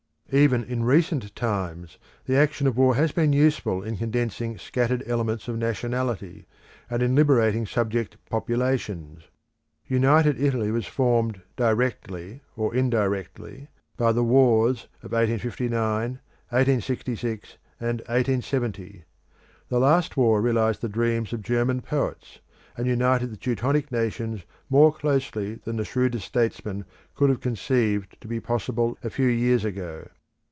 Even in recent times the action of war has been useful in condensing scattered elements of nationality, and in liberating subject populations. United Italy was formed directly or indirectly by the war of 1859, 1866, and 1870. The last war realised the dreams of German poets, and united the Teutonic nations more closely than the shrewdest statesmen could have conceived to be possible a few years ago.